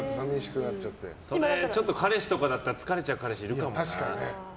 それ、彼氏とかだったら疲れちゃう彼氏いるかもな。